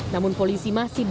namun polisi masih belum berhenti